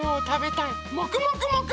もくもくもく。